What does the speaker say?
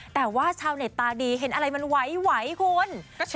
แต่ว่าชาวเน็ตตาดีเห็นอะไรมันไหวคุณ